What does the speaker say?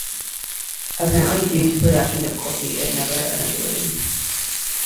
Apparently due to production difficulties, it never eventuated.